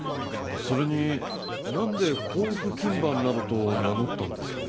それに何で甲府勤番などと名乗ったんですかね？